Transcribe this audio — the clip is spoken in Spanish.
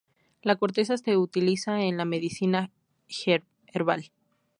La corteza se utiliza en la medicina herbal.